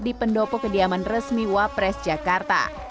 di pendopo kediaman resmi wapres jakarta